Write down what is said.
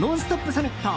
サミット。